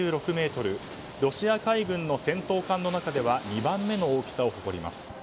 ロシア海軍の戦闘艦の中では２番目の大きさを誇ります。